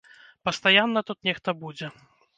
Пастаянна тут нехта будзе.